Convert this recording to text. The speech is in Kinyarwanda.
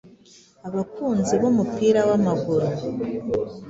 abakunzi b’umupira w’amaguru;